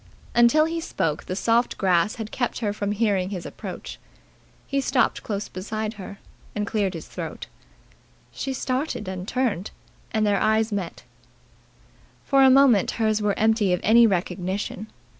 Until he spoke the soft grass had kept her from hearing his approach. He stopped close behind her, and cleared his throat. She started and turned, and their eyes met. For a moment hers were empty of any recognition.